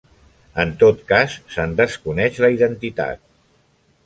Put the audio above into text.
En tot cas, se'n desconeix la identitat.